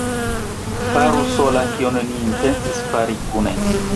Faru sola, kion ni intencis fari kune!